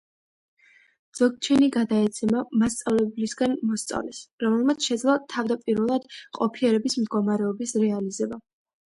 ძოგჩენი გადაეცემა მასწავლებლისგან მოსწავლეს, რომელმაც შესძლო თავდაპირველი ყოფიერების მდგომარეობის რეალიზება.